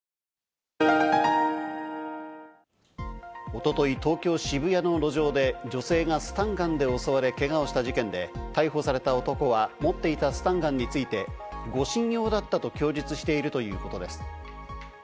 一昨日、東京・渋谷の路上で女性がスタンガンで襲われ、けがをした事件で、逮捕された男は持っていたスタンガンについて、護身用だったと供述しているということです。